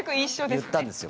言ったんですよ